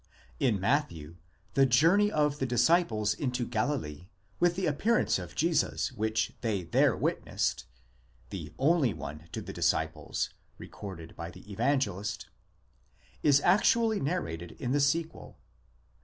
In Matthew the journey of the disciples into Galilee, with the appearance of Jesus which they there witnessed (the only one to the disciples recorded by this Evangelist), is actually narrated in the sequel.